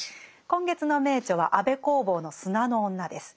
今月の名著は安部公房の「砂の女」です。